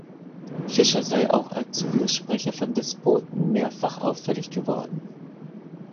Fischer sei auch als Fürsprecher von Despoten mehrfach auffällig geworden.